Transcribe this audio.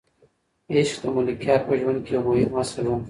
عشق د ملکیار په ژوند کې یو مهم اصل و.